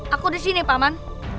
aku disini paman